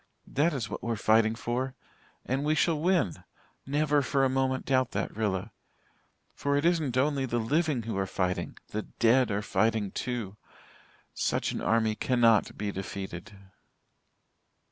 That is what we're fighting for. And we shall win never for a moment doubt that, Rilla. For it isn't only the living who are fighting the dead are fighting too. Such an army cannot be defeated.